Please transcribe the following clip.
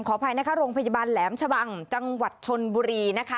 อภัยนะคะโรงพยาบาลแหลมชะบังจังหวัดชนบุรีนะคะ